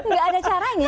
gak ada caranya